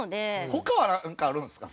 他はなんかあるんですか？